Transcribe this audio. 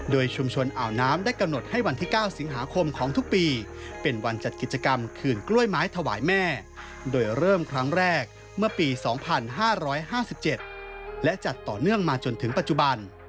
โดยชุมชนอ่าวน้ำได้กำหนดให้วันที่๙สิงหาคมของทุกปีเป็นวันจัดกิจกรรมคืนกล้วยไม้ถวายแม่โดยเริ่มครั้งแรกเมื่อปี๒๕๕๗และจัดต่อเนื่องมาจนถึงปัจจุบัน